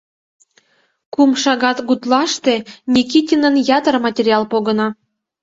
Кум шагат гутлаште Никитинын ятыр материал погына.